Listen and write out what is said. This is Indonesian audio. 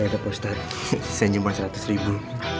yaudah pak ustadz saya nyumbang seratus ribu